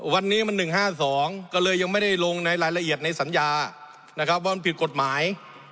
วันนี้มัน๑๕๒ก็เลยยังไม่ได้ลงในรายละเอียดในสัญญานะครับว่ามันผิดกฎหมาย